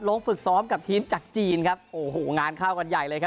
ลงฝึกซ้อมกับทีมจากจีนครับโอ้โหงานเข้ากันใหญ่เลยครับ